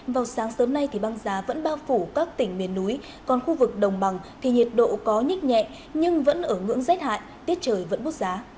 vào sáng sớm nay thì băng giá vẫn bao phủ các tỉnh miền núi còn khu vực đồng bằng thì nhiệt độ có nhích nhẹ nhưng vẫn ở ngưỡng rét hại tiết trời vẫn bút giá